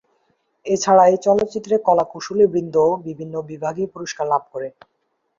এছাড়া এই চলচ্চিত্রের কলা-কুশলীবৃন্দও বিভিন্ন বিভাগে পুরস্কার লাভ করে।